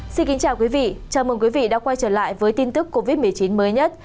xin kính chào quý vị chào mừng quý vị đã quay trở lại với tin tức covid một mươi chín mới nhất